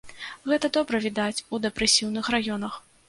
Гэта добра відаць у дэпрэсіўных раёнах.